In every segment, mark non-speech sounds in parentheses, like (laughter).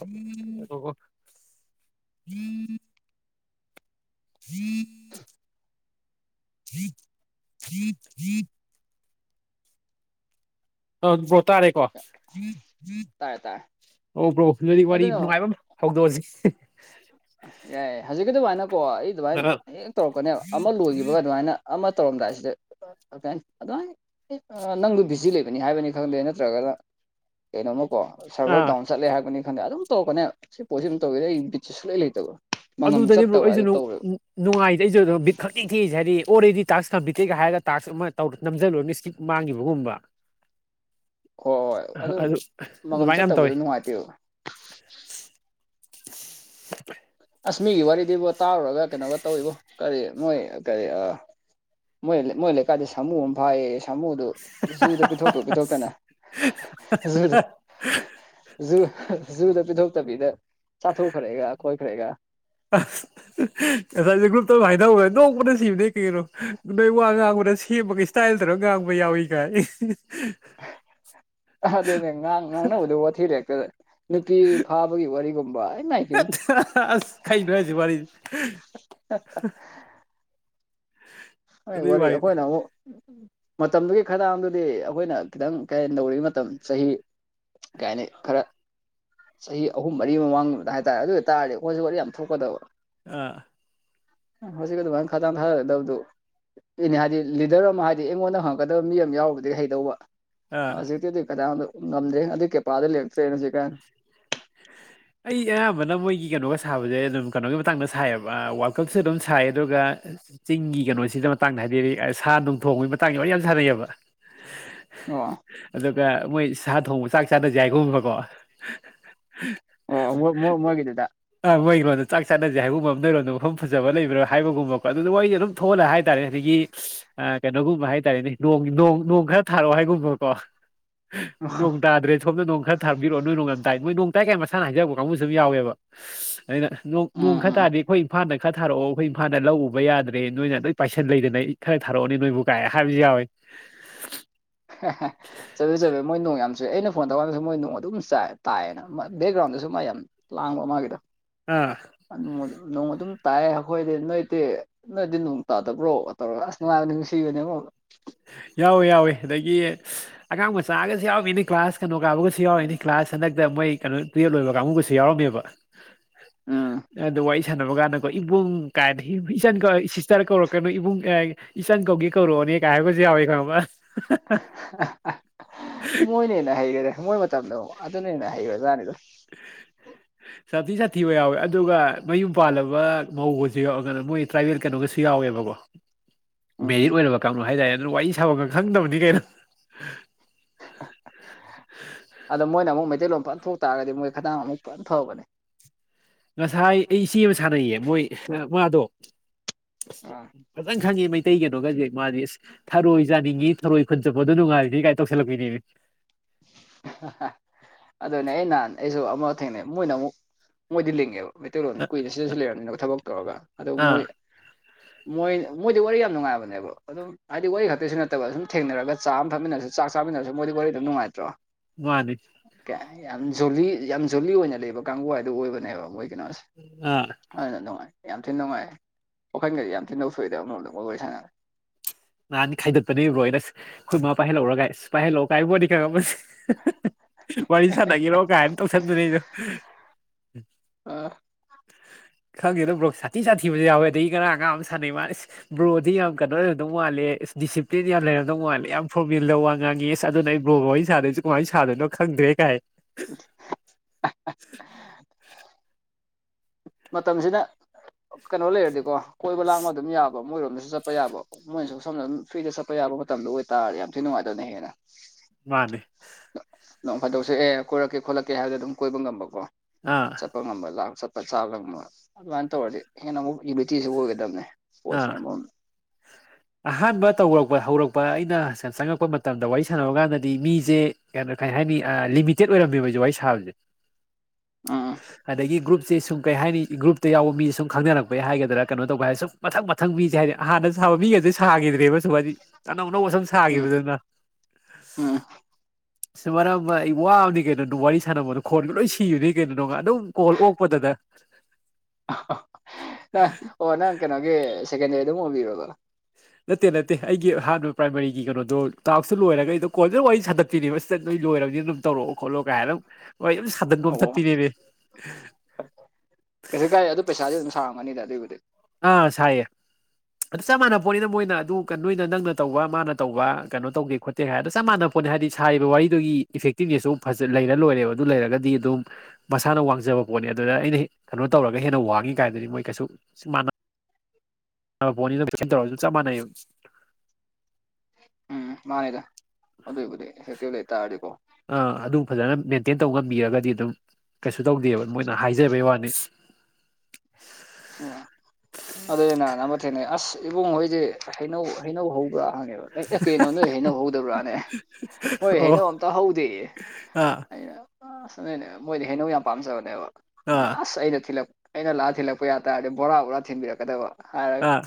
ꯎꯝ ꯎꯝ ꯍ ꯀ ꯀ ꯑ ꯕ꯭ꯔꯣ ꯇꯥꯔꯦꯀꯣ ꯇꯥꯔꯦ ꯇꯥꯔꯦ ꯑꯣ ꯕ꯭ꯔꯣ ꯅꯣꯏꯛ ꯋꯥꯔꯤ ꯅꯨꯡꯉꯥꯏꯕ ꯑꯃ ꯍꯧꯗꯣꯛꯑꯁꯤ ꯑꯦꯏ ꯍꯧꯖꯤꯛ ꯀꯣ ꯅ ꯀꯣ ꯑꯩ ꯑꯗꯨꯃꯥꯏꯅ ꯑ ꯍꯦꯛ ꯇꯧꯔꯛꯀꯅꯦꯕ ꯑꯃ ꯂꯣꯏꯈꯤꯕꯒ ꯑꯗꯨꯃꯥꯏꯅ ꯑꯃ ꯇꯧꯔꯝꯗꯥꯏꯁꯤꯗ ꯑꯗꯨꯃꯥꯏꯅ ꯅꯪꯗ ꯚꯖꯤ ꯂꯩꯕꯅꯤ ꯍꯥꯏꯕꯅꯤ ꯈꯪꯗꯦ ꯅꯠꯇ꯭ꯔꯒꯅ ꯑꯦ ꯅꯃ ꯀꯣ ꯁꯔꯚꯔ ꯑꯥ ꯗꯥꯎꯟ ꯆꯠꯂꯦ ꯍꯥꯏꯕꯅꯤ ꯈꯗꯦ ꯑꯗꯨꯝ ꯇꯧꯔꯛꯄꯅꯦ ꯁꯤ ꯄꯣꯠꯁꯤ ꯑꯗꯨꯝ ꯇꯧꯤꯔꯦ ꯑꯩ ꯕꯤꯠꯁꯦ ꯁꯨꯛꯂꯩ ꯂꯩꯇꯕꯣ ꯑꯗꯨꯗꯅꯦ ꯕ꯭ꯔꯣꯛ ꯑꯩꯁꯨ ꯅꯨꯡꯉꯥꯏꯇꯦ ꯑꯩꯁꯨ ꯑꯗꯨꯝ ꯕꯤꯠ ꯈꯛꯛꯇꯦꯛꯈꯤꯦ ꯍꯥꯏꯗꯤ ꯑꯣꯜꯔꯦꯗꯤ ꯇꯥꯛꯁ ꯀꯝꯄꯤꯇꯩꯒ ꯍꯥꯏꯔꯒ ꯇꯥꯛꯁ ꯑꯃꯧ ꯅꯝꯖꯜꯂꯨꯔ ꯃꯤ ꯏꯁꯀꯤꯔꯤꯛ ꯃꯥꯡꯈꯤꯕꯒꯨꯝꯕ ꯍꯣꯏ ꯍꯣꯏ ꯑꯗꯨ ꯃꯃꯝ ꯑꯗꯨꯃꯥꯏꯅ ꯌꯥꯝ ꯇꯧꯋꯤ ꯆꯠꯇꯕꯗ ꯅꯨꯡꯉꯥꯏꯇꯦꯕ ꯎ ꯐ ꯑꯁꯃꯤꯒꯤ ꯋꯥꯔꯤꯗꯤꯕꯨ ꯇꯥꯔꯨꯔꯒ ꯀꯩꯅꯣꯒ ꯇꯧꯏꯕꯣ ꯀꯔꯤ ꯃꯣꯏ ꯀꯔꯤ ꯃꯣꯏ ꯃꯣꯏ ꯂꯩꯀꯥꯏꯗ ꯁꯥꯃꯨ ꯑꯃ ꯐꯥꯏꯌꯦ ꯁꯥꯃꯨꯗꯨ ꯖꯨꯗ ꯄꯤꯊꯣꯛꯇꯣ ꯄꯤꯊꯣꯛꯇꯅ ꯖꯨꯗ ꯖꯨ ꯖꯨꯗ ꯄꯤꯊꯣꯛꯇꯕꯤꯗ ꯆꯥꯊꯣꯛꯈ꯭ꯔꯦꯒ ꯈꯣꯏꯈ꯭ꯔꯦꯒ ꯑ ꯉꯁꯥꯏꯁꯦ ꯒ꯭ꯔꯨꯞꯇ ꯍꯥꯏꯅꯧꯕꯗ ꯅꯣꯡꯃꯅ ꯁꯤꯕꯅꯦꯩ ꯀꯩꯒꯤꯩꯅꯣ ꯅ ꯅꯣꯏ ꯋꯥ ꯉꯥꯡꯕꯅ ꯁꯦꯝꯕꯒ ꯏꯁꯇ ꯇꯜꯗꯔꯣ ꯉꯥꯡꯕ ꯌꯥꯎꯏ ꯀꯥꯏ ꯑꯗꯨꯅꯦ ꯉꯥꯡ ꯉꯥꯡꯅꯕꯗ ꯋꯥꯊꯤꯔꯦ ꯍꯦꯛꯇꯗ ꯅꯨꯄꯤ ꯐꯥꯕꯒꯤ ꯋꯥꯔꯤꯒꯨꯝꯕ ꯑꯩ ꯃꯥꯏꯄꯦꯝꯃ ꯑꯁ ꯈꯥꯏꯅꯁꯤꯦ ꯋꯥꯔꯤꯔꯤ (inaudible) ꯋꯥꯔꯤ ꯋꯥꯔꯤ ꯑꯩꯈꯣꯏꯅ ꯃꯇꯝꯗꯨꯒꯤ ꯈꯔꯗꯥꯗꯨꯗꯤ ꯑꯩꯈꯣꯏꯅ ꯈꯤꯇꯪ ꯀꯩ ꯇꯧꯔꯤ ꯃꯇꯝ ꯆꯍꯤ ꯀꯥꯏꯅꯤ ꯈꯔ ꯆꯍꯤ ꯑꯍꯨꯝ ꯃꯔꯤ ꯃꯃꯥꯡꯗ ꯍꯥꯏꯇꯥꯔꯦ ꯑꯗꯨ ꯑꯣꯏꯇꯥꯥꯔꯗꯤ ꯑꯩꯈꯣꯏꯖꯤ ꯋꯥꯔꯤ ꯌꯥꯝ ꯊꯣꯛꯀꯗꯕ ꯑ ꯍꯧ ꯀꯗ ꯈꯥꯗ ꯊꯔꯗꯧ ꯇ ꯏꯅꯦ ꯍꯥꯏꯗꯤ ꯂꯤꯗꯔ ꯑꯃ ꯍꯥꯏꯗꯤ ꯑꯩꯉꯣꯟꯗ ꯍꯪꯉꯛꯀꯗꯕ ꯃꯤ ꯑꯃ ꯌꯥꯎꯔꯨꯕꯗꯒꯤ ꯍꯩꯗꯧꯕ ꯑ ꯁꯤꯗꯤꯤ ꯑꯗꯨ ꯀꯗꯥ ꯉꯝꯗꯦ ꯑꯗꯨ ꯀꯩꯄꯥꯥꯗ ꯂꯦꯞꯇ꯭ꯔꯦꯅ ꯁꯤ ꯀꯥꯏ (inaudible) ꯑꯩ ꯑꯌꯥꯝꯕꯅ ꯃꯣꯏꯒꯤ ꯀꯩꯅꯣꯒ ꯁꯥꯕꯁꯦ ꯑꯗꯨꯝ ꯀꯩꯅꯣꯒꯤ ꯃꯇꯥꯡꯗ ꯁꯥꯏꯌꯦꯕ ꯋꯥꯔꯜ ꯀꯞꯁꯦ ꯑꯗꯨꯝ ꯁꯥꯏ ꯑꯗꯨꯒ ꯆꯤꯡꯒꯤ ꯀꯩꯅꯣꯁꯤꯗ ꯃꯇꯥꯡꯗ ꯍꯥꯏꯗꯤ ꯁꯥ ꯅꯨꯡ ꯊꯣꯡꯕꯒꯤ ꯃꯇꯥꯡꯗ ꯂꯣꯏ ꯌꯥꯝ ꯁꯥꯟꯅꯩꯑꯕ ꯋꯥ ꯃꯣꯏ ꯁꯥ ꯊꯣꯡꯕ ꯆꯥꯛ ꯆꯥꯗꯁꯏꯒꯨꯝꯕꯀꯣ ꯑꯣ ꯃꯣꯏꯒꯤꯗꯨꯗ ꯑ ꯑꯣꯏꯍꯤꯔ ꯑꯗꯨꯗꯣ ꯆꯥꯛ ꯆꯥꯅꯁꯦ ꯍꯥꯏꯕꯨꯝ ꯑꯃ ꯂꯩꯔꯣꯗ ꯃꯐꯝ ꯐꯖꯕ ꯂꯩꯕ꯭ꯔꯥ ꯍꯥꯏꯕꯒꯨꯝꯕꯀꯣ ꯑꯗꯨꯗ ꯋꯥꯔꯤꯗꯤ ꯑꯗꯨꯝ ꯊꯣꯛꯍꯂ ꯍꯥꯏꯇꯥꯔꯦ ꯑꯗꯒꯤ ꯑ ꯀꯩꯅꯣꯒꯨꯝꯕ ꯍꯥꯏꯇꯥꯔꯦꯅꯦ ꯅꯣꯡ ꯈꯔ ꯊꯥꯔꯛꯑꯣ ꯍꯥꯏꯒꯨꯝꯕꯀꯣ ꯅꯣꯡ ꯇꯥꯗ꯭ꯔꯦ ꯁꯣꯝꯗ ꯅꯣꯡ ꯈꯔ ꯊꯥꯕꯤꯔꯛꯑꯣ ꯅꯣꯏ ꯅꯣꯡꯉ ꯇꯥꯏ ꯀꯥꯏ ꯃꯁꯥꯅ ꯍꯥꯏꯖꯕ ꯀꯥꯡꯕꯨꯁꯨꯨꯝ ꯌꯥꯎꯋꯦꯕ ꯑꯗꯨꯅꯣꯡ ꯅꯣꯡ ꯎꯝ ꯈ ꯎꯝ ꯇꯥꯔꯗꯤ ꯑꯩꯈꯣꯏ ꯏꯝꯐꯥꯜꯗ ꯈꯔ ꯊꯥꯔꯛꯑꯣ ꯑꯩꯈꯣꯏ ꯏꯝꯐꯥꯜꯗ ꯂꯧ ꯎꯕ ꯌꯥꯗ꯭ꯔꯦ ꯅꯣꯏꯅ ꯂꯣꯏ ꯄꯥꯏꯁꯟ ꯂꯩꯗꯅ ꯑꯩ ꯈꯔ ꯊꯥꯔꯛꯑꯣꯅꯤ ꯅꯣꯏꯕꯨ ꯀꯥꯏ ꯍꯥꯏꯕꯁꯨ ꯌꯥꯎꯏꯦ ꯆꯠꯂꯦ ꯆꯠꯦ ꯃꯣꯏ ꯅꯣꯡ ꯌꯥꯝ ꯑꯩꯅ ꯐꯣꯟ ꯇꯧꯀꯥꯟꯗꯁꯨ ꯃꯣꯏ ꯅꯣꯡ ꯑꯗꯨꯝ ꯆ ꯇꯥꯏꯑꯌꯦꯅ ꯕꯦꯛꯒ꯭ꯔꯥꯎꯟꯗꯁꯨ ꯃꯥ ꯌꯥꯝ ꯂꯥꯡꯕ ꯃꯥꯒꯤꯗꯣ ꯑꯥ ꯑ ꯃ ꯑꯗꯨ ꯅꯣꯡ ꯑꯗꯨꯝ ꯇꯥꯏꯑ ꯑꯩꯈꯣꯏꯗꯤ ꯅꯣꯏꯗꯤ ꯅꯣꯏꯗꯤ ꯅꯣꯡ ꯇꯥꯗꯕ꯭ꯔꯣ ꯇꯧꯔꯒ ꯑꯁ ꯅꯨꯡꯉꯥꯏꯕ ꯅꯨꯡꯁꯤꯕꯅꯦ ꯑꯃꯛ ꯌꯥꯎꯋꯦ ꯌꯥꯎꯋꯦ ꯑꯗꯒꯤ ꯑꯉꯥꯡ ꯃꯆꯥꯒꯁꯨ ꯌꯥꯎꯃꯤꯅꯦ ꯀ꯭ꯂꯥꯁ ꯀꯩꯅꯣ ꯀꯥꯕꯒꯁꯨ ꯌꯥꯎꯔꯛꯏꯅꯤ ꯀ꯭ꯂꯥꯁ ꯍꯟꯗꯛꯇ ꯃꯣꯏ ꯀꯩꯅꯣ ꯇꯨꯌꯦꯜꯕ ꯂꯣꯏꯕ ꯀꯥꯡꯕꯨꯒꯁꯨ ꯌꯥꯎꯔꯝꯃꯦꯕ ꯎꯝ ꯑ ꯑꯗꯨ ꯋꯥꯔꯤ ꯁꯥꯟꯅꯕ ꯀꯥꯟꯅ ꯣ ꯏꯕꯨꯡ ꯀꯥꯏ ꯏꯆ ꯁꯤꯁꯇꯔ ꯀꯧꯔꯛꯀꯅꯣ ꯏꯕꯨꯡ ꯏꯆꯟ ꯀꯧꯒꯦ ꯀꯧꯔꯛꯑꯣꯅꯦ ꯀꯥꯏꯍꯒꯁꯨ ꯌꯥꯕꯩ ꯀꯕ ꯃꯣꯏꯣꯏꯅꯦꯅ ꯍꯥꯏꯩꯒꯔꯦ ꯊꯃꯣꯏ ꯃꯇꯝꯗ ꯑꯃ ꯑꯗꯨꯅꯦꯅ ꯍꯩꯔ ꯖꯥꯠꯅꯤꯗꯣ (unintelligible) ꯁꯥꯊꯤ ꯁꯥꯊꯤꯕ ꯌꯥꯎꯋꯦ ꯑꯗꯨꯒ ꯃꯌꯨꯝ ꯄꯥꯜꯂꯕ ꯃꯧꯒꯁꯨ ꯌꯥꯎꯔꯒꯅ ꯃꯣꯏ ꯇ꯭ꯔꯥꯏꯕꯦꯜ ꯀꯩꯅꯣꯒ ꯌꯥꯎꯋꯦꯕꯀꯣ ꯎꯝ ꯃꯦꯔꯤꯠ ꯑꯣꯏꯅꯔꯕ ꯀꯥꯡꯕꯨ ꯍꯥꯏꯇꯥꯔꯦ ꯑꯗꯨ ꯋꯥꯔꯤ ꯁꯥꯕꯒ ꯈꯪꯗꯕꯗꯤ ꯀꯩꯅꯣ ꯑꯗꯣ ꯃꯣꯏꯅ ꯑꯃꯨꯛ ꯃꯩꯇꯩ ꯂꯣꯝ ꯐꯟ ꯊꯣꯛ ꯇꯥꯔꯒꯗꯤ ꯃꯣꯏ ꯈꯗꯥꯡ ꯑꯃꯨꯛ ꯐꯅ ꯐꯕꯅꯤ ꯉꯁꯥꯏ ꯑꯩ ꯏꯆꯦ ꯑꯃ ꯁꯥꯟꯅꯩꯌꯦ ꯃꯣꯏ ꯃꯥꯗꯣ ꯎꯝ ꯐꯖꯪ ꯈꯪꯉꯦ ꯃꯩ ꯑꯇꯩ ꯀꯩꯅꯣꯒꯁꯦ ꯃꯥꯗꯤ ꯑꯁ ꯊꯔꯣꯏ ꯆꯥꯅꯤꯡꯉꯤ ꯊꯔꯣꯏ ꯈꯨꯟ ꯆꯠꯄꯗꯣ ꯅꯨꯡꯉꯥꯏꯔꯤꯅꯤ ꯀꯥꯏ ꯇꯧꯁꯤꯜꯂꯛꯄꯅꯦ ꯑꯗꯨꯅꯦ ꯑꯩ ꯅꯍꯥꯟ ꯑꯩꯁꯨ ꯑꯃ ꯊꯦꯡꯅ ꯃꯣꯏꯅ ꯑꯃꯨꯛ ꯃꯣꯏꯗꯤ ꯂꯤꯡꯉꯦꯕ ꯃꯩꯇꯩꯂꯣꯟ ꯀꯨꯏꯅ ꯁꯤꯗꯁꯨ ꯂꯩꯔꯕꯝꯅꯤꯅ ꯊꯕꯛ ꯇꯧꯔꯒ ꯑꯗꯣ ꯑꯥ ꯃꯣꯏ ꯃꯣꯏ ꯃꯣꯏꯗꯤ ꯋꯥꯔꯤ ꯌꯥꯝ ꯅꯨꯡꯉꯥꯏꯕꯅꯦꯕ ꯑꯗꯨꯝ ꯍꯥꯏꯗꯤ ꯋꯥꯔꯤ ꯈꯛꯇꯁꯨ ꯅꯠꯇꯕ ꯁꯨꯝ ꯊꯦꯡꯅꯔꯒ ꯆꯥꯝ ꯑꯃ ꯊꯛꯃꯤꯟꯅꯁꯨ ꯆꯥꯛ ꯆꯝꯕꯤꯅꯔꯦ ꯃꯣꯏ ꯋꯥꯔꯤꯅꯨꯉꯥꯏ ꯃꯥꯅꯤ ꯌꯥꯝ ꯖꯣꯂꯤ ꯌꯥꯝ ꯖꯣꯂꯤ ꯑꯣꯏꯅ ꯂꯩꯕ ꯀꯥꯡꯕꯨ ꯍꯥꯏꯗꯨ ꯑꯣꯏꯕꯅꯦꯕ ꯑꯣꯏꯣꯏ ꯀꯅꯣꯦ ꯑꯥ ꯍ ꯅ ꯑꯗꯨ ꯃꯥꯅꯤ ꯌꯥꯝ ꯊꯤꯅ ꯅꯨꯡꯉꯥꯏꯦ ꯋꯥꯈꯜꯒꯗꯤ ꯌꯥꯝ ꯊꯤꯅ ꯂꯧ ꯁꯨꯗꯕ ꯑꯃꯣꯗ ꯣꯏ ꯁꯥꯡꯅꯒꯦ ꯅꯍꯥꯟ ꯈꯥꯏꯗꯠꯄꯅꯦꯕ꯭ꯔꯣ ꯑꯅ ꯑꯩꯈꯣꯏ ꯃꯥꯃ ꯄꯥꯏꯍꯜꯂꯛꯎꯒꯥꯏ ꯄꯥꯏꯍꯜꯂꯛꯑꯣꯒꯥꯏꯕꯣꯅꯤ ꯈꯪꯉꯃꯁꯦ ꯋꯥꯔꯤ ꯁꯥꯟꯅꯒꯦꯔꯣ ꯀꯥꯏ ꯇꯧꯁꯟꯗꯨꯅꯤ ꯑꯩ (unintelligible) ꯈꯪꯉꯦꯗꯣ ꯕ꯭ꯔꯣ ꯁꯥꯊꯤ ꯁꯥꯊꯤꯕꯁꯨ ꯌꯥꯎꯋꯦ ꯑꯗꯒꯤ ꯀꯅꯥ ꯑꯉꯥꯡ ꯑꯃ ꯁꯥꯟꯅꯩ ꯃꯥ ꯕ꯭ꯔꯣꯗꯤ ꯌꯥꯝ ꯀꯣ ꯑꯗꯨ ꯃꯥꯜꯂꯦ ꯑꯦꯁ ꯗꯤꯁꯤꯄ꯭ꯂꯤꯟ ꯌꯥꯝꯅꯔꯝꯗꯧ ꯃꯥꯂ ꯌꯥꯝ ꯐꯣꯔꯃꯦꯜꯗ ꯋꯥ ꯉꯥꯡꯉꯦ ꯑꯁ ꯑꯗꯨꯅ ꯑꯩ ꯕꯣꯕꯏ ꯁꯥꯗꯣꯏ ꯀꯃꯥꯏꯅ ꯁꯥ ꯑꯗꯨꯂꯣ (unintelligible) ꯈꯪꯒ꯭ꯔꯦ ꯀꯥꯏ (unintelligible) (inaudible) ꯃꯇꯝꯁꯤꯅ ꯀꯩꯅꯣ ꯂꯩꯔꯗꯤꯀꯣ ꯀꯣꯏꯕ ꯂꯥꯡꯕ ꯑꯗꯨꯝ ꯌꯥꯕ ꯃꯣꯏꯔꯣꯝꯗꯁꯨ ꯆꯠꯄ ꯌꯥꯕ ꯃꯣꯏꯅꯁꯨ ꯁꯣꯝꯅ ꯑꯗꯨꯝ ꯐ꯭ꯔꯤꯗ ꯆꯠꯄ ꯌꯥꯕ ꯃꯇꯝꯗ ꯑꯣꯏꯇꯥꯔꯗꯤ ꯌꯥꯝ ꯊꯤꯅ ꯅꯨꯡꯉꯥꯏꯇꯕꯅ ꯍꯦꯟꯅ ꯃꯥꯅꯦ ꯅ ꯐꯥꯏꯗꯧꯁꯨ ꯑꯦ ꯀꯣꯏꯔꯛꯀꯦ ꯈꯣꯠꯂꯛꯀꯦ ꯍꯥꯏꯕꯗꯣ ꯑꯗꯨꯝ ꯀꯣꯏꯕ ꯉꯝꯕꯀꯣ ꯑꯥ ꯆꯠꯄ ꯉꯝꯕꯜ ꯂꯥꯛ ꯆ ꯆꯥ ꯐꯪꯕ ꯑꯗꯨꯃꯥꯏꯅ ꯇꯧꯔꯗꯤ ꯍꯦꯟꯅ ꯑꯃꯨꯛ ꯌꯨꯂꯤꯇꯤꯁꯨ ꯑꯣꯏꯒꯗꯕꯅꯦ ꯄꯣꯠꯁꯦ ꯑꯥ ꯑꯃꯨꯛ ꯑꯍꯥꯟꯕ ꯇꯧꯔꯛꯄ ꯍꯧꯔꯛꯄ ꯑꯩꯅ ꯆꯪꯉꯛꯄ ꯃꯇꯝꯗ ꯋꯥꯔꯤ ꯁꯥꯟꯅꯕ ꯀꯥꯟꯗꯗꯤ ꯃꯤꯁꯦ ꯀꯩꯅꯣ ꯀꯩ ꯍꯥꯏꯅꯤ ꯂꯤꯃꯤꯇꯦꯠ ꯑꯣꯏꯔꯝꯃꯦꯕꯖꯤ ꯋꯥꯔꯤ ꯁꯥꯕꯁꯦ ꯎꯝ ꯑꯗꯒꯤ ꯒ꯭ꯔꯨꯞ ꯁ ꯁꯨꯝ ꯀꯩ ꯍꯥꯏꯅꯤ ꯒ꯭ꯔꯨꯞꯇ ꯌꯥꯎꯕ ꯃꯤ ꯁꯨꯝ ꯈꯪꯅꯔꯛꯄꯒꯤ ꯍꯥꯏꯒꯗ꯭ꯔꯥ ꯀꯩꯅꯣ ꯇꯧꯕꯩ ꯍꯥꯏꯔ ꯁꯨꯝ ꯃꯊꯪ ꯃꯊꯪ ꯃꯤꯁꯦ ꯍꯥꯏꯗꯤ ꯍꯥꯟꯅ ꯁꯥꯕ ꯃꯤꯒꯁꯦ ꯁꯥꯈꯤꯗ꯭ꯔꯦꯕꯁꯨ ꯍꯥꯏꯗꯤ ꯑꯅꯧ ꯑꯅꯧꯕꯁꯨꯝ ꯎꯝ ꯁꯥꯈꯤꯕꯗꯨꯅ ꯎꯝ ꯁꯤ ꯃ ꯏ ꯋꯥꯅꯤ ꯀꯩꯅꯅ ꯋꯥꯔꯤ ꯁꯥꯅ ꯃꯥ ꯈꯣꯟꯜꯗꯨ ꯂꯣꯏ ꯁꯤꯌꯨꯅꯤ ꯀꯩꯅꯣꯗꯅꯨꯡ ꯑꯗꯨꯝ ꯈꯜ ꯑꯣꯛꯄꯗꯗ ꯅꯪ ꯑꯣ ꯅꯪ ꯀꯩꯅꯣꯒꯤ ꯁꯦꯀꯦꯟ ꯗꯦ ꯑꯗꯨꯝ ꯑꯣꯏꯕꯤꯔꯕꯔꯕꯣ ꯅꯠꯇꯦ ꯅꯠꯇꯦ ꯑꯩꯒꯤ ꯑꯍꯥꯟꯕ ꯄ꯭ꯔꯥꯏꯃꯥꯔꯤꯒꯤ ꯀꯩꯅꯣꯗꯣ ꯇꯥꯛꯁꯇ ꯂꯣꯏꯔꯒ ꯑꯩꯗꯣ ꯀꯣꯜꯖ ꯋꯥꯔꯤ ꯁꯥꯟꯗꯠꯄꯤꯅꯦꯕ ꯂꯣꯏꯔꯕꯅꯤꯅ ꯑꯗꯨꯝ ꯇꯧꯔꯛꯑꯣ ꯈꯣꯠꯂꯣ ꯀꯥꯏꯅ ꯋꯥ ꯌꯥꯝ ꯁꯥꯗꯟꯒꯣꯝ ꯑꯣ ꯊꯛꯇꯤꯅꯦꯦꯅꯦ ꯀꯩꯁꯨ ꯀꯥꯏ ꯑꯗꯨ ꯄꯩꯁꯥꯗꯤ ꯑꯗꯨꯝ ꯁꯥꯔꯝꯒꯅꯤꯗ ꯑꯗꯨꯏꯕꯨꯗꯤ ꯑꯥ ꯁꯥꯏ ꯑꯗꯨ ꯆꯞ ꯃꯥꯟꯅꯕ ꯄꯣꯠꯅꯤꯅ ꯃꯣꯏꯅ ꯑꯗꯨ ꯅꯣꯏꯅ ꯅꯪꯅ ꯇꯧꯕ ꯃꯥꯅ ꯇꯧꯕ ꯀꯩꯅꯣ ꯇꯧꯒꯦ ꯈꯣꯠꯀꯦ ꯍꯥꯏꯗ ꯆꯞ ꯃꯥꯟꯅꯕ ꯐꯣꯟꯅꯤ ꯍꯥꯏꯗꯤ ꯁꯥꯔꯤꯕ ꯋꯥꯔꯤꯗꯨꯒꯤ ꯏꯐꯦꯛꯇꯤꯞꯅꯦꯁꯁꯨ ꯑꯗꯨ ꯐꯖ ꯂꯩꯔ ꯂꯣꯏꯔꯦꯕ ꯑꯗꯨ ꯂꯩꯔꯒꯗꯤ ꯑꯗꯨꯝ ꯃꯁꯥꯅ ꯋꯥꯡꯖꯕ ꯑꯗꯨ ꯑꯩꯅ ꯅꯣ ꯇꯔꯒ ꯍꯦꯟꯅ ꯋꯥꯡꯉꯤ ꯀꯣꯏ ꯐꯣꯟꯅꯤ ꯇꯧꯔꯁꯨ ꯆꯞ ꯃꯥꯟꯅꯩ ꯎꯝ ꯃꯥꯥꯏꯗ ꯍꯧꯗꯕꯨꯗꯦ ꯁꯇ ꯂꯩ ꯇꯔꯀꯣ ꯑꯗꯨꯝ ꯐꯖꯅ ꯃꯦꯟꯇꯦꯟ ꯇꯧ ꯉꯝꯕꯤꯔꯒꯗꯤ ꯑꯗꯨꯝ ꯀꯩꯁꯨ ꯇꯧꯗꯦꯕ ꯃꯣꯏꯅ ꯍꯥꯏꯖꯕꯩ ꯋꯥꯅꯤ (inaudible) ꯎ ꯑꯗꯨꯅ ꯅꯝꯕ ꯊꯦꯡꯅꯩ ꯑꯁ ꯏꯕꯨꯡ ꯍꯣꯏꯗꯤ ꯍꯩꯅꯧ ꯍꯩꯅꯧ ꯍꯧ ꯄꯨꯔꯥ ꯍꯪꯉꯦꯕ ꯀꯩꯅꯣ ꯅꯣꯏ ꯍꯩꯅꯕ ꯍꯧꯗꯕ꯭ꯔꯥꯅꯦ ꯃꯣꯏ ꯑꯣ ꯍꯩꯅꯕ ꯑꯝꯇ ꯍꯧꯗꯦ ꯑꯥ ꯑꯁ ꯅꯅꯦ ꯃꯣꯏꯗꯤ ꯍꯩꯅꯧ ꯌꯥꯝ ꯄꯥꯝꯖꯕꯅꯦꯕ ꯑꯥ ꯑꯁ ꯑꯩꯅ ꯊꯤꯜꯂꯛ ꯑꯩꯅ ꯂꯥꯛꯑ ꯊꯤꯜꯂꯛꯄ ꯄꯌꯥ ꯇꯔꯗꯤ ꯕꯣꯔꯥ ꯕꯣꯔꯥ ꯊꯤꯟꯕꯤꯔꯛꯀꯗꯕ ꯍꯥꯏꯔꯒ ꯑꯥ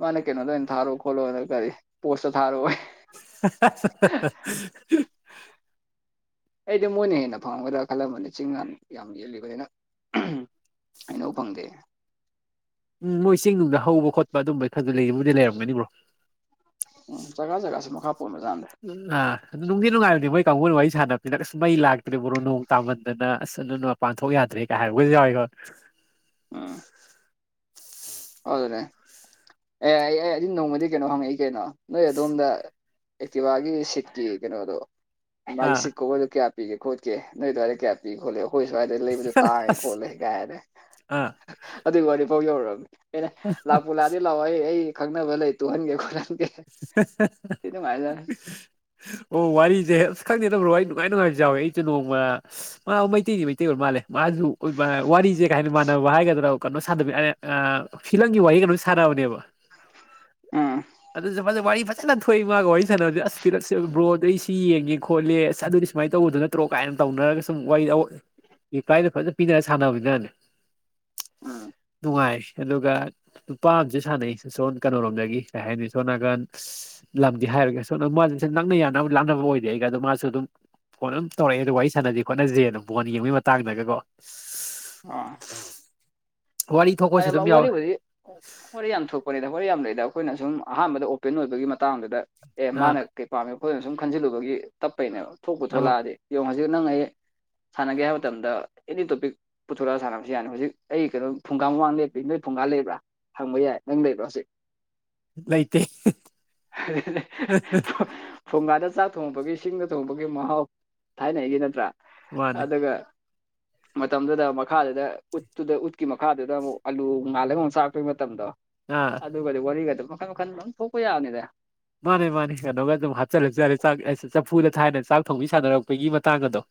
ꯃꯥꯅꯦ ꯀꯩꯅꯣ ꯇ ꯊꯥꯣ ꯈꯣꯂꯣ ꯀꯔꯤ ꯄꯣꯁꯇꯣ ꯊꯥꯣ (inaudible) ꯑꯩꯗꯤ ꯃꯣꯏꯅ ꯍꯦꯟꯅ ꯐꯪꯒꯗ꯭ꯔꯥ ꯈꯜꯂꯝꯕꯅꯤ ꯆꯤꯡ ꯌꯥꯝꯥꯟ ꯌꯥꯝ ꯌꯦꯜꯂꯤꯕꯅꯤꯅ ꯑꯩꯅ ꯎ ꯐꯪꯗꯦ ꯎꯝ ꯅꯣꯏ ꯆꯦꯡꯅꯨꯡꯗ ꯍꯧꯕ ꯈꯣꯠꯄ ꯑꯗꯨꯝꯕ ꯐꯗꯨ ꯂꯩꯒꯕꯨꯗꯤ ꯂꯩꯔꯝꯒꯅꯤꯕ꯭ꯔꯣ ꯎꯝ ꯖꯒꯥ ꯖꯒꯥꯁꯦ ꯃꯈꯥ ꯄꯣꯟꯕꯖꯥꯠꯅꯦ ꯎ ꯑꯗꯨ ꯅꯨꯡꯗꯤ ꯅꯨꯡꯉꯥꯏꯔꯗꯤ ꯃꯣꯏ ꯀꯥꯡꯕꯨꯅꯨꯡ ꯋꯥꯔꯤ ꯁꯥꯟꯅꯅ ꯑꯁ ꯃꯩ ꯂꯥꯛꯇ꯭ꯔꯦ ꯕꯣꯔꯣ ꯅꯣꯡ ꯇꯥꯃꯟꯗꯅ ꯑꯁ ꯑꯅ ꯃꯄꯥꯟ ꯊꯣꯛꯣꯛ ꯌꯥꯗ꯭ꯔꯦ ꯀꯥꯏ ꯍꯥꯏꯔꯒꯁꯨ ꯌꯥꯎꯋꯏ ꯍꯣ ꯑꯥ ꯑꯗꯨꯅꯦ ꯑꯦ ꯑꯩ ꯑꯩ ꯑꯩꯗꯤ ꯅꯣꯡꯃꯗꯤ ꯀꯩꯅꯣ ꯍꯪꯉꯛꯏ ꯀꯩꯅꯣ ꯅꯣꯏ ꯑꯗꯣꯝꯗ ꯑꯦꯛꯇꯤꯕ ꯁꯤꯀꯤ ꯀꯩꯅꯣꯣ ꯃꯥꯒꯤ ꯑꯥ ꯁꯤꯀꯤꯣ ꯀ ꯄꯤꯒꯦ ꯈꯠꯀ ꯅꯣꯏ ꯑꯗꯨꯋꯥꯏ ꯀꯌꯥ ꯄꯤꯒ ꯈꯣꯠꯂꯦꯣ ꯑꯩꯈꯣꯏ ꯁ꯭ꯋꯥꯏꯗ ꯂꯩꯕꯗ ꯇꯥꯡꯉꯦ ꯑꯁ ꯈꯣꯠꯂꯦ ꯀꯥꯏꯔꯦ ꯑꯥ ꯑꯗꯨꯏ ꯋꯥꯔꯤꯐꯥꯎ ꯌꯧꯔꯑꯕꯅꯤ ꯑꯩꯅ ꯂꯥꯛꯄ ꯂꯥꯛꯑꯗꯤ ꯂꯥꯛꯑꯣ ꯑꯩ ꯑꯩ ꯈꯪꯅꯕ ꯂꯩ ꯇꯨꯍꯟꯒꯦ ꯈꯣꯠꯍꯟ ꯑꯣ ꯋꯥꯔꯤꯁꯦ ꯑ ꯈꯪꯗꯦ ꯅꯠꯇꯕ꯭ꯔꯣ ꯑꯩ ꯅꯨꯡꯉꯥꯏ ꯅꯨꯡꯉꯥꯏꯁꯨ ꯆꯥꯎꯋꯦ ꯑꯩꯁꯨ ꯅꯣꯡꯃ ꯃꯥ ꯃꯩꯇꯩꯗꯤ ꯃꯩꯇꯩ ꯑꯣꯏꯔ ꯃꯥꯜꯂꯦ ꯃꯥꯁꯨ ꯋꯥꯔꯤꯁꯦ ꯀꯩ ꯍꯥꯏꯅꯤ ꯃꯥꯟꯅꯕ ꯍꯥꯏꯒꯗ꯭ꯔꯣ ꯀꯩꯅꯣ ꯁꯥꯟꯗꯕꯤ ꯐꯤꯂꯝꯒꯤ ꯋꯥꯔꯤ ꯀꯩꯅꯣꯝ ꯁꯥꯟꯅꯕꯅꯦꯕ ꯑꯝ ꯑꯗꯨꯁꯨ ꯋꯥꯔꯤ ꯐꯖꯅ ꯊꯣꯛꯏ ꯃꯥꯒ ꯋꯥꯔꯤ ꯁꯥꯟꯅꯕꯅꯦ ꯑꯁ ꯄꯤꯔꯛꯁꯦ ꯕꯣꯗ ꯑꯩ ꯁꯤ ꯌꯦꯡꯦ ꯈꯣꯠꯂꯦꯁ ꯑꯗꯨꯗꯤ ꯁꯨꯃꯥꯏꯅ ꯇꯧꯕꯗꯣ ꯅꯠꯇ꯭ꯔꯣ ꯀꯥꯏꯅ ꯇꯧꯅꯔꯒ ꯁꯨꯝ ꯋꯥꯔꯤꯄ꯭ꯂꯥꯏꯗ ꯐꯖꯅ ꯄꯤꯅꯔ ꯁꯥꯟꯅꯕꯅꯕꯅꯤꯅꯅꯤ ꯅꯨꯡꯉꯥꯏ ꯑꯗꯨꯒ ꯅꯨꯄꯥ ꯑꯝꯁꯨ ꯁꯥꯟꯅꯩꯁꯣꯟ ꯀꯩꯅꯔꯣꯝꯗꯒꯤ ꯀꯩ ꯍꯥꯏꯅꯤ ꯁꯣꯅꯥꯀꯟ ꯂꯝꯗꯤ ꯍꯥꯏꯔꯒꯣꯅ ꯃꯥꯁ ꯅꯪꯅ ꯌꯥꯅꯕ ꯂꯥꯛꯅꯕ ꯑꯣꯏꯗꯦ ꯑꯩꯒꯗꯣ ꯃꯥꯁꯨ ꯑꯗꯨꯝ ꯐꯣꯟ ꯑꯗꯨꯝ ꯇꯧꯔꯛꯑꯦ ꯑꯗꯨ ꯋꯥꯔꯤ ꯁꯥꯟꯅꯗꯤ ꯈꯣꯠꯅꯁꯤꯦ ꯑꯗꯨꯝ ꯐꯣꯟ ꯌꯦꯡꯕꯒꯤ ꯃꯇꯥꯡꯗꯒꯀꯣ ꯑꯥ ꯋꯥꯔꯤ ꯊꯣꯛꯄꯁꯨ ꯑ ꯑꯗꯨꯝ ꯌꯥꯎꯋꯦ ꯋꯥꯔꯤꯗꯤ ꯋꯥꯔꯤ ꯌꯥꯝ ꯊꯣꯛꯄꯗ ꯋꯥꯔꯤ ꯌꯥꯝ ꯂꯩꯗ ꯑꯩꯈꯣꯏꯅ ꯁꯨꯝ ꯑꯍꯥꯟꯕꯗ ꯑꯣꯄꯦꯟ ꯑꯣꯏꯕꯒꯤ ꯃꯇꯥꯡꯗꯨꯗ ꯑꯦ ꯑꯥ ꯃꯥꯅ ꯀꯩ ꯄꯥꯝꯃꯤ ꯑꯩꯈꯣꯏꯅ ꯁꯨꯝ ꯈꯟꯖꯤꯜꯂꯨꯕꯒꯤ ꯇꯞꯄꯩꯅꯦꯕ ꯊꯣꯛꯄ ꯑꯃ ꯊꯣꯛꯂꯛꯑꯗꯤ ꯌꯦꯉ ꯍꯧꯖꯤꯛ ꯅꯪ ꯑꯩ ꯁꯥꯟꯅꯒꯦ ꯍꯥꯏꯕ ꯃꯇꯝꯗ ꯑꯦꯅꯤ ꯇꯣꯄꯤꯛ ꯄꯨꯊꯣꯔꯛꯑ ꯁꯥꯟꯅꯕꯁꯨ ꯌꯥꯅꯤ ꯍꯧꯖꯤꯛ ꯑꯩ ꯀꯩꯅꯣ ꯐꯨꯡꯒꯥ ꯃꯃꯥꯡ ꯂꯦꯞꯇꯔꯤ ꯅꯣꯏ ꯐꯨꯡꯒꯥ ꯂꯩꯕ꯭ꯔꯥ ꯍꯪꯕ ꯌꯥꯏ ꯅꯪ ꯂꯩꯕ꯭ꯔꯥ ꯍꯧꯖꯤꯛ ꯂꯩꯇꯦ ꯑ ꯊꯣꯡꯒꯥꯗ ꯆꯥꯛ ꯊꯣꯡꯉꯄꯒꯤ ꯁꯤꯡꯗ ꯊꯣꯡꯉꯕꯒꯤ ꯃꯍꯥꯎ ꯊꯥꯏꯅꯩꯒꯤ ꯅꯠꯇ꯭ꯔꯥ ꯃꯥꯅꯦ ꯑꯗꯨꯒ ꯃꯇꯝꯗꯨꯗ ꯃꯈꯥꯗꯨꯗ ꯎꯠꯇꯨꯗ ꯎꯠꯀꯤ ꯃꯈ ꯃꯈꯥꯗꯨꯗ ꯑꯃꯨꯛ ꯑꯥꯂꯨ ꯉꯥꯜꯂꯒ ꯑꯃꯨꯛ ꯆꯥꯛꯇꯩ ꯃꯇꯝꯗꯣ ꯑꯥ ꯑꯗꯨꯒꯗꯤ ꯋꯥꯔꯤꯒ ꯃ ꯃꯈꯥꯟ ꯃꯈꯅ ꯂ ꯐ ꯊꯣꯛꯣꯛꯎ ꯌꯥꯎꯅꯤꯗ ꯃꯥꯅꯦ ꯃꯥꯅꯦ ꯀꯩꯅꯣꯒ ꯑꯗꯨꯝ ꯍꯥꯞꯆꯤꯜꯂꯛ ꯆꯔꯦ ꯆꯥꯛ ꯆꯐꯨꯗ ꯊꯥꯏꯅ ꯆꯥꯛ ꯊꯧꯤ ꯁꯥꯟꯅꯔꯛꯄꯒꯤ ꯃꯇꯥꯡ ꯑꯗꯣ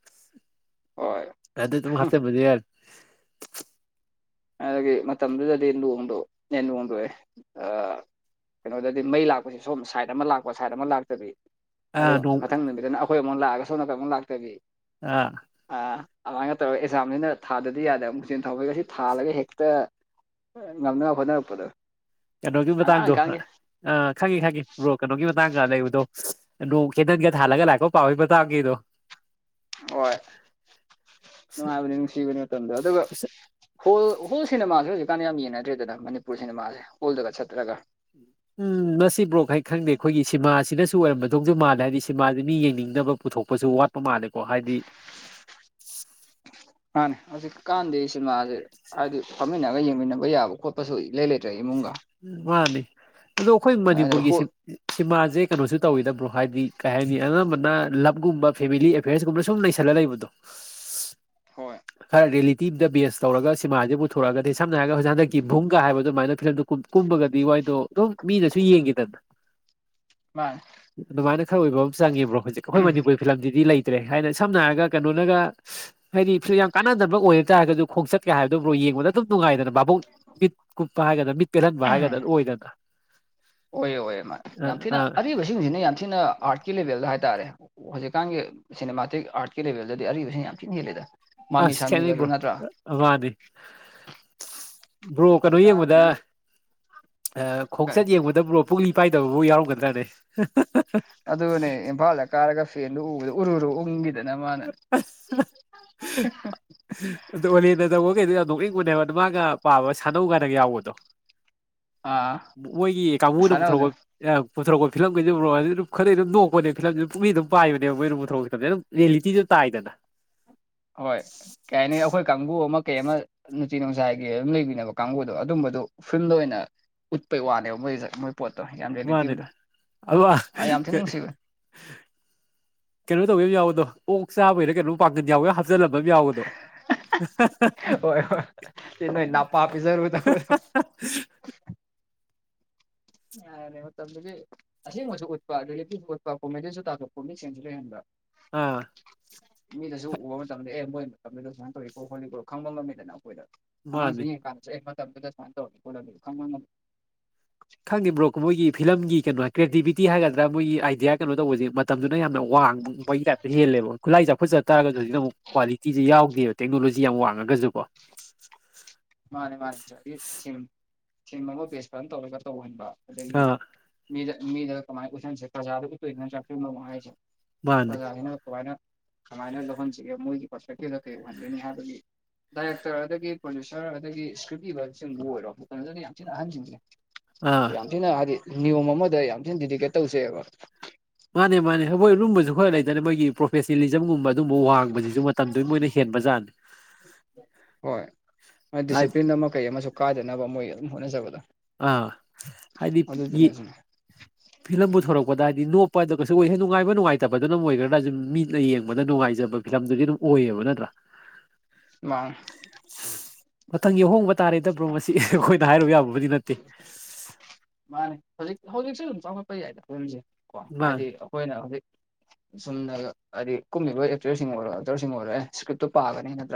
ꯍꯣꯏ ꯑꯗꯤ ꯇ ꯍꯥꯁꯦ ꯃꯗꯤꯦ ꯑꯗꯨꯗꯒꯤ ꯃꯇꯝꯗꯨꯗꯗꯤ ꯂꯣꯡꯗꯣ ꯌꯦꯟ ꯂꯣꯡꯗꯣꯛꯑꯦ ꯀꯩꯅꯣꯗꯗꯤ ꯃꯩ ꯂꯥꯛꯄꯁ ꯁꯣꯝ ꯁꯥꯏꯠ ꯑꯃ ꯂꯥꯛꯄ ꯁꯥꯏꯠ ꯑꯃ ꯂꯥꯛꯇꯕꯤ ꯑꯗꯨ ꯑꯥ ꯅꯣꯡ ꯃꯊꯪ ꯅꯨꯃꯤꯠꯇꯅ ꯑꯩꯈꯣꯏ ꯑꯃꯨꯛ ꯂꯥꯛꯑꯒ ꯁꯣꯝꯅꯀꯃꯨꯛ ꯂꯥꯛꯇꯕꯤ ꯑꯥ ꯑꯥ ꯑꯗꯨꯃꯥꯏꯅ ꯇꯧꯔꯒ ꯑꯦꯛꯥꯝꯅꯤꯅ ꯊꯥꯗꯗꯤ ꯌꯥꯗꯦ ꯑꯃꯨꯛ ꯆꯦꯟ ꯊꯥꯎꯧꯕꯒ ꯁꯤ ꯊꯥꯜꯂꯒ ꯍꯦꯛꯇ ꯉꯝꯅꯕ ꯍꯣꯠꯅꯔꯛꯄꯗꯣ ꯀꯩꯅꯣꯒꯤ ꯑꯉꯥꯡ ꯃꯇꯥꯡꯗꯣ ꯑꯣꯏꯀꯥꯟꯒꯤ ꯑ ꯈꯪꯉꯤ ꯈꯪꯉꯦ ꯕ꯭ꯔꯣ ꯀꯩꯅꯣꯒꯤ ꯀꯗꯗꯣ ꯅ ꯀꯦꯗꯒꯦ ꯊꯒ ꯂꯥꯛꯀꯣ ꯄꯥꯎ ꯀꯗꯣ ꯍꯣꯏ ꯅꯨꯡꯉꯥꯏꯕꯅꯤ ꯅꯨꯡꯁꯤꯕꯅꯤ ꯃꯇꯝꯗ ꯑꯗꯨꯒ ꯍꯣꯜ ꯍꯣꯜ ꯁꯤꯅ ꯃꯥꯥꯁꯨ ꯀꯥꯟꯅ ꯌꯥꯝ ꯌꯦꯡꯅꯗ꯭ꯔꯦꯗꯅ ꯃꯅꯤꯄꯨꯔ ꯁꯤꯅꯦꯃꯥꯁꯦ ꯍꯣꯜꯗꯒ ꯆꯠꯇ꯭ꯔꯒ ꯎꯝ ꯃꯁꯤ ꯕ꯭ꯔꯣꯛ ꯍꯥꯏ ꯈꯪꯗꯦ ꯑꯩꯈꯣꯏꯒꯤ ꯁꯤꯃꯥꯁꯤꯅ ꯁꯤ ꯑꯣꯏꯔꯝꯕꯗꯧꯁꯨ ꯃꯥꯜꯂꯦ ꯍꯥꯏꯗꯤ ꯁꯤ ꯃꯥꯗ ꯃꯤ ꯌꯦꯡꯅꯤꯡꯅꯕ ꯄꯨꯊꯣꯛꯄꯁꯨ ꯋꯥꯠ ꯄ ꯃꯥꯜꯂꯦꯀꯣ ꯍꯥꯏꯗꯤ ꯃꯥꯥꯟꯅꯦ ꯍꯧꯖꯤꯛꯀꯥꯟꯗꯤ ꯁꯤꯅꯦꯃꯥꯁꯦ ꯍꯥꯏꯗꯤ ꯐꯝꯃꯤꯟꯅꯒ ꯌꯦꯡꯃꯤꯟꯅꯕ ꯌꯥꯕ ꯈꯣꯠꯄꯁꯨ ꯂꯩ ꯂꯩꯇ꯭ꯔꯦ ꯏꯃꯨꯡꯒ ꯃꯥꯅꯤ ꯑꯗꯣ ꯑꯩꯈꯣꯏ ꯑꯗ ꯃꯅꯤꯄꯨꯔꯒꯤ ꯍꯣꯏ ꯁꯤꯃꯥꯁꯦ ꯀꯩꯅꯣꯁꯨ ꯇꯧꯤꯗꯕ꯭ꯔꯣ ꯍꯥꯏꯗꯤ ꯀꯩ ꯍꯥꯏꯅꯤ ꯑꯅꯝꯕꯅ ꯂꯞꯒꯨꯝꯕ ꯐꯦꯃꯤꯂꯤ ꯑꯦꯐꯤꯌꯔꯁꯀꯨꯝꯕꯅ ꯁꯨꯝ ꯂꯩꯁꯜꯂꯒ ꯂꯩꯕꯗꯣ ꯍꯣꯏ ꯈꯔ ꯗꯦꯂꯤ ꯇꯤꯝꯗ ꯕꯦ ꯇꯧꯔꯒ ꯁꯤꯃꯥꯁꯦ ꯄꯨꯊꯣꯔꯛꯑꯗꯤ ꯁꯝꯅꯔꯒ ꯍꯧꯖꯤ ꯍꯟꯛꯀꯤ ꯚꯨꯡꯒ ꯍꯥꯏꯕꯗꯨ ꯑꯗꯨꯃꯥꯏꯅ ꯐꯤꯂꯝꯗꯨ ꯀꯨꯝꯕꯒꯗꯤ ꯋꯥꯏꯗꯣ ꯑꯗꯨꯝ ꯃꯤꯅꯁꯨ ꯌꯦꯡꯈꯤꯗꯅ ꯃꯥꯅꯦ ꯑꯗꯨꯃꯥꯏꯅ ꯑ ꯑꯣꯏꯕ ꯑꯃ ꯆꯉꯕ꯭ꯔꯣ ꯍꯧꯖꯤꯛ ꯑꯩꯈꯣꯏ ꯃꯅꯤꯄꯨꯔꯤ ꯐꯤꯂꯝꯗꯤ ꯂꯩ ꯭ꯔꯦ ꯍꯥꯏꯅ ꯁꯝꯅ ꯍꯥꯏꯔꯒ ꯀꯩꯅꯣꯅꯒ ꯍꯥꯏꯗꯤ ꯐ ꯌꯥꯝ ꯀꯥꯟꯅꯅꯕ ꯑꯣꯏꯔ ꯇꯥꯔꯒꯁꯨ ꯈꯣꯡꯆꯠꯀꯦ ꯍꯥꯏꯕ ꯑꯗꯨꯝꯣ ꯌꯦꯡꯕꯗ ꯑꯗꯨꯝ ꯅꯨꯡꯉꯥꯏꯗꯅ ꯚꯥꯕꯨꯡ ꯃꯤꯠ ꯀꯨꯞꯄ ꯍꯥꯏꯒꯗꯥ ꯃꯤꯠ ꯄꯦꯜꯍꯟꯕ ꯍꯥꯏꯒꯗ꯭ꯔꯥ ꯑꯣꯏꯗꯅ ꯑꯣꯏ ꯑꯣꯏꯦ ꯃꯥ ꯑ ꯌꯥꯝ ꯊꯤꯅ ꯑꯥ ꯑꯔꯤꯕꯁꯤꯡꯁꯤꯅ ꯌꯥꯝ ꯊꯤꯅ ꯑꯥꯔꯠꯀꯤ ꯂꯦꯚꯦꯜꯗ ꯍꯥꯏꯦ ꯍꯥꯏꯇꯥꯔꯦ ꯍꯧꯖꯤꯛꯀꯥꯟꯒꯤ ꯁꯤꯅꯦꯃꯥꯇꯤ ꯑꯥꯔꯠꯀꯤ ꯂꯦꯚꯦꯜꯗꯗꯤ ꯑꯔꯤꯕꯁꯤꯅ ꯌꯥꯝ ꯊꯤꯅ ꯍꯦꯜꯂꯦꯗ ꯃꯃꯤ ꯑꯁ ꯆ ꯁꯥꯃꯤꯒꯗꯨ ꯏꯕꯣ ꯅꯠꯇ꯭ꯔꯥ ꯑꯋꯥꯗ ꯕ꯭ꯔꯣ ꯀꯩꯅꯣ ꯌꯦꯡꯕꯗ ꯍꯧꯖꯤꯛꯀꯥꯟꯁꯤꯒꯤ ꯀꯩ ꯈꯣꯡꯆꯠ ꯌꯦꯡꯕꯗ ꯕ꯭ꯔꯣ ꯄꯛꯅꯤꯡ ꯄꯥꯏꯗꯕꯕꯨꯥꯎ ꯌꯥꯎꯔꯝꯒꯗꯥ ꯌꯥꯔꯦ ꯑꯗꯨꯅꯦꯕꯕꯥꯂ ꯀꯥꯒꯐꯤ ꯎ ꯎꯔ ꯎꯗ ꯇꯣꯂꯤ ꯅꯗ ꯀꯩꯗ ꯅꯣꯛꯏꯪ ꯑꯣꯏꯅꯅꯦꯕ ꯑꯗꯨ ꯃꯥꯒ ꯄꯥꯕ ꯁꯥꯟꯅꯧ ꯀꯥꯏꯅꯒ ꯌꯥꯎꯕꯗꯣ ꯑꯥ ꯃꯣꯏꯒꯤ ꯀꯥꯡꯕꯨꯅ ꯁꯥꯟꯅꯕꯗꯣ ꯄꯨꯊꯣꯔꯣꯛꯄ ꯄꯨꯊꯣꯔꯛꯄ ꯐꯤꯂꯝꯒꯤꯩꯦꯛ ꯍꯥꯏꯗꯤ ꯑꯗꯨ ꯈꯔꯗꯤ ꯑꯗꯨꯝꯣꯛꯄꯅꯦ ꯐꯤꯂꯝꯁꯤ ꯄ ꯄꯨꯛ ꯑꯗꯨꯝꯥꯏꯕꯅꯦꯕ ꯃꯣꯏ ꯄ ꯄꯨꯊꯣꯛꯄ ꯐꯤꯂꯝꯦ ꯑꯗꯨꯝ ꯂꯩ ꯂꯤꯇꯤꯁꯨ ꯇꯥꯏꯗꯅ ꯍꯣꯏ ꯀꯩ ꯍꯥꯏꯅꯤ ꯑꯩꯈꯣꯏ ꯀꯥꯡꯕꯨ ꯑꯃ ꯀꯩ ꯑꯃ ꯅꯨꯡꯇꯤ ꯅꯨꯡꯁꯥꯏꯒꯤ ꯑꯗꯨꯝ ꯂꯩꯕꯤꯅꯕ ꯀꯥꯡꯕꯨꯗꯣ ꯑꯗꯨꯝꯕ ꯃ ꯐꯤꯂꯝꯗ ꯑꯣꯏꯅ ꯎꯠꯄꯩ ꯋꯥꯅꯦꯕ ꯃꯣꯏꯁ ꯃꯣꯏ ꯄꯣꯠꯇꯣ ꯌꯥꯝ ꯃꯥꯅꯦ ꯔꯤꯂꯦꯇꯤꯞꯗꯣ ꯑꯜ ꯑꯩ ꯌꯥꯝ ꯊꯤꯅ ꯀ ꯅꯨꯡꯁꯤꯕꯅꯦ ꯀꯩꯅꯣ ꯇꯧꯕꯤ ꯑꯃ ꯌꯥꯎꯕꯗꯣ ꯑꯣꯛ ꯆꯥꯕꯩꯅ ꯀꯩꯅꯣꯝ ꯄꯥꯡꯒꯟ ꯌꯥꯎꯕꯦ ꯍꯥꯞꯆꯤꯜꯂꯝꯕ ꯌꯥꯎꯕꯗꯣ ꯍ ꯅ ꯅꯅꯥ ꯄꯄꯤ ꯁꯔꯗꯗ ꯌꯥꯔꯔꯦ ꯃꯇꯝꯗꯨꯗꯤ ꯑꯁꯦꯡꯕꯁꯨ ꯎꯠꯄ ꯑꯗꯨ ꯂꯤꯄꯤꯁꯨ ꯎꯠꯄꯄꯣꯝꯃꯦ ꯑꯗꯨꯁꯨ ꯇꯥꯒꯠꯄꯣꯝ ꯃꯤꯁꯤꯡꯁꯨ ꯂꯩ ꯍꯦꯟꯕ ꯑꯥ ꯃꯤꯗꯁꯨ ꯎꯕ ꯃꯇꯝꯗ ꯑꯦ ꯃꯣꯏ ꯃꯇꯝꯗ ꯁꯨꯥꯏꯅ ꯇꯧꯋꯣ ꯈꯣꯠꯂꯤꯀꯣ ꯈꯪꯕ ꯉꯝꯃꯤꯗꯅ ꯑꯩꯈꯣꯏꯗ ꯑ ꯃꯥꯅꯦ ꯁ ꯀꯥꯟꯃ ꯁꯥꯥꯟꯗ ꯀ ꯈꯪꯉꯤꯕ꯭ꯔꯣ ꯃꯣꯏꯒꯤ ꯐꯤꯂꯝꯒꯤ ꯀꯩꯅꯣ ꯀ꯭ꯔꯤꯌꯦꯇꯤꯕꯤꯇꯤ ꯍꯥꯏꯒꯗ꯭ꯔꯥ ꯃꯣꯏꯒꯤ ꯑꯥꯏꯗꯤꯌꯥ ꯀꯩꯅꯣ ꯇꯧꯕꯁꯦ ꯃꯇꯝꯗꯨꯅ ꯌꯥꯝꯅ ꯋꯥꯡꯕꯄꯒꯤ ꯇꯥꯏꯞꯇ ꯍꯦꯜꯂꯦ ꯈꯨꯠꯂꯥꯏ ꯆꯥꯎꯈꯠ ꯆꯠ ꯇꯔꯒꯁꯨ ꯍꯧꯖꯤꯛ ꯑꯃꯨꯛ ꯀ꯭ꯋꯥꯂꯤꯇꯤꯤꯁꯦ ꯌꯥꯎꯗꯦꯕ ꯇꯦꯛꯅꯣꯂꯣꯖꯤ ꯌꯥꯝ ꯋꯥꯡꯉꯒꯁꯨꯀꯣ ꯃꯥꯅꯦ ꯃꯥꯅꯦ ꯊꯤꯝ ꯊꯤꯝ ꯑꯃ ꯕꯦꯁ ꯐꯖꯅ ꯇꯧꯔꯒ ꯇꯧꯍꯟꯕ ꯑꯗꯒꯤ ꯑꯥ ꯃꯤꯗ ꯃꯤꯗ ꯀꯃꯥꯏꯅ ꯎꯁꯟꯁꯦ ꯄ꯭ꯔꯖꯥꯗꯕꯨ ꯀꯨꯁꯤꯅ ꯆꯥꯛꯁꯤꯟꯕꯣ ꯍꯥꯏꯁꯦ ꯃꯥꯅꯦ ꯑ ꯍꯥꯏꯅ ꯀꯅ ꯀꯃꯥꯏꯅ ꯂꯧꯍꯟꯁꯤꯒꯦ ꯃꯣꯏꯒꯤ ꯄꯔꯁꯄꯦꯛꯇꯤꯚꯗ ꯀꯩ ꯑꯣꯏꯍꯟꯒꯅꯤ ꯍꯥꯏꯕꯒꯤ ꯗꯥꯏꯔꯦꯛꯇꯔ ꯑꯗꯨꯗꯒꯤ ꯄ꯭ꯔꯣ ꯁꯥꯔ ꯑꯗꯒꯤ ꯏꯁꯀ꯭ꯔꯤꯞ ꯏꯕꯁꯤꯡꯕꯨ ꯑꯣꯏꯔꯣ ꯀꯩꯅꯣꯗꯨꯅ ꯌꯥꯝ ꯊꯤꯅ ꯑꯍꯟꯁꯤꯡꯁꯦ ꯑꯥ ꯌꯥꯝ ꯊꯤꯅ ꯍꯥꯏꯗꯤ ꯅꯤꯌꯣꯝ ꯑꯃꯗ ꯌꯥꯝ ꯊꯤꯅ ꯗꯤꯗꯤꯀꯦꯠ ꯇꯧꯁꯦꯕ ꯃꯥꯅꯦ ꯃꯥꯅꯦ ꯑꯩꯈꯣꯏ ꯂꯨꯝꯕꯁꯨ ꯈꯔ ꯂꯩꯇꯅ ꯃꯣꯏꯒꯤ ꯄ꯭ꯔꯣꯐꯦꯁꯅꯦꯂꯤꯖꯝꯒꯨꯝꯕ ꯑꯗꯨꯝꯕ ꯋꯥꯡꯕꯁꯤ ꯑꯗꯨ ꯃꯇꯝꯗꯨꯒꯤ ꯃꯣꯏꯅ ꯍꯦꯟꯕꯖꯥꯠꯅꯤ ꯍꯣꯏ ꯍꯥꯏ ꯗꯤꯁꯤꯄ꯭ꯂꯤꯟ ꯑꯃ ꯀꯩ ꯑꯃꯁꯨ ꯀꯥꯏꯗꯅꯕ ꯃꯣꯏ ꯑꯗꯨꯝ ꯍꯣꯠꯅꯖꯕꯗꯣ ꯑꯥ ꯍꯥꯏꯗꯤ ꯌꯦ ꯑꯗꯨꯗꯨꯅꯁꯨꯅꯦ ꯐꯤꯂꯝꯕꯨ ꯊꯣꯔꯛꯄꯗ ꯍꯥꯏꯗꯤ ꯅꯣꯞꯄꯗ ꯀꯩꯁꯨ ꯑꯣꯏꯁꯦ ꯅꯨꯡꯉꯥꯏꯕ ꯅꯨꯡꯉꯥꯏꯇꯕꯗꯨꯅꯝ ꯑꯣꯏꯒ꯭ꯔꯥ ꯑꯗꯨ ꯃꯤꯅ ꯌꯦꯡꯕꯗ ꯅꯨꯡꯉꯥꯏ ꯂꯩꯖꯕ ꯐꯤꯂꯝꯗꯨꯗꯤ ꯑꯗꯨꯝ ꯑꯣꯏꯌꯦꯕ ꯅꯠꯇ꯭ꯔꯥ ꯋꯥ ꯃꯊꯪ ꯌꯥꯎꯍꯣꯡꯕ ꯇꯥꯔꯦꯗꯕ꯭ꯔꯣ ꯃꯁꯤ ꯑꯩꯈꯣꯏꯅ ꯍꯥꯏꯔꯨ ꯌꯥꯕꯕꯨꯗꯤ ꯅꯠꯇꯦ ꯃꯥꯅꯦ ꯍꯧꯖꯤꯛ ꯍꯧꯖꯤꯛꯁꯨ ꯑꯗꯨꯝ ꯆꯥꯎꯈꯠꯄ ꯌꯥꯏꯗ ꯐꯂꯝꯁꯦ ꯀꯣ ꯃꯥꯅꯦ ꯍꯥꯏꯗꯤ ꯑꯩꯈꯣꯏꯅ ꯍꯧꯖꯤꯛ ꯑꯁꯨꯝꯅ ꯍꯥꯏꯗꯤ ꯀꯨꯝꯃꯤꯕ ꯑꯦꯛꯇꯔꯁꯤꯡ ꯑꯣꯏꯔꯣ ꯑꯦꯛꯇꯔꯁꯤꯡ ꯑꯣꯏꯔꯣ ꯑꯦ ꯏꯁꯀ꯭ꯔꯤꯞꯇꯣ ꯄꯥꯒꯅꯤ ꯅꯠꯇ꯭ꯔꯥ